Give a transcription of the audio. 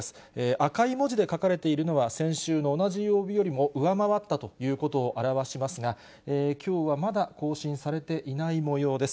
赤い文字で書かれているのは、先週の同じ曜日よりも上回ったということを表しますが、きょうはまだ更新されていないもようです。